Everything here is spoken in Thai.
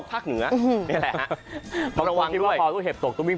เอาเลยไม่ได้ละเนี่ย